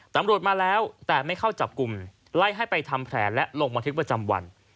ตำรวจมาแล้วแต่ไม่เข้าจับกลุ่มไล่ให้ไปทำแผลและลงบันทึกประจำวัน